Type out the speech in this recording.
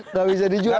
nggak bisa dijual bang